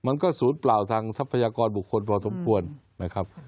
มันก็ศูนย์เปล่าทางทรัพยากรบุคคลพอสมควรนะครับ